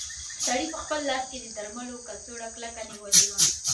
سړي په خپل لاس کې د درملو کڅوړه کلکه نیولې وه.